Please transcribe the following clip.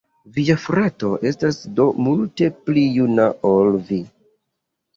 Via frato estas do multe pli juna ol vi.